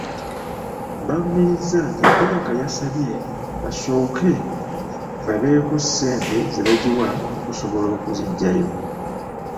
Balumiriza nti bbanka yabasabye basooke babeeko ssente ze bagiwa okusobola okuziggyayo